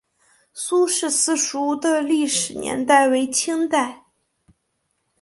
苏氏私塾的历史年代为清代。